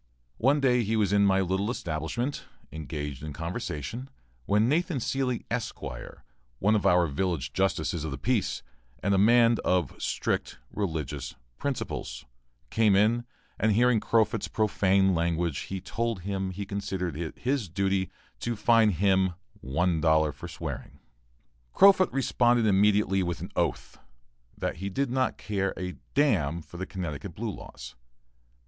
One day he was in my little establishment engaged in conversation, when Nathan Seelye, Esq., one of our village justices of the peace, and a man of strict religious principles, came in, and hearing Crofut's profane language he told him he considered it his duty to fine him one dollar for swearing. Crofut responded immediately with an oath, that he did not care a d n for the Connecticut blue laws.